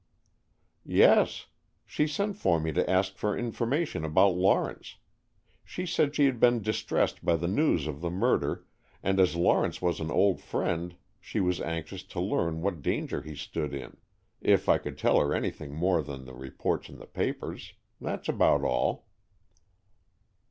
"Yes. She sent for me to ask for information about Lawrence. She said she had been distressed by the news of the murder, and as Lawrence was an old friend she was anxious to learn what danger he stood in, if I could tell her anything more than the reports in the papers. That's about all."